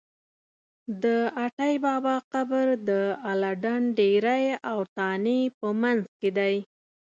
د اټی بابا قبر د اله ډنډ ډېری او تانې په منځ کې دی.